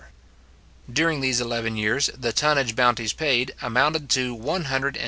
During these eleven years, the tonnage bounties paid amounted to £155,463:11s.